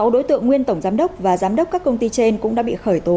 sáu đối tượng nguyên tổng giám đốc và giám đốc các công ty trên cũng đã bị khởi tố